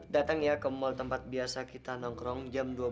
datang ya ke mall tempat biasa kita nongkrong jam dua belas